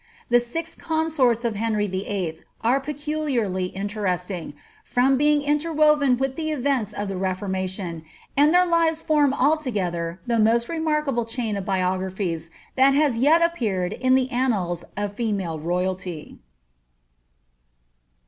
The six consorts of Henry YUI. are peculiarly interesting, from being interwoven with the events of the Reformation; and their lives form altogether the most remarkable chain of biographies that has yet appeared in the annals of female royalty.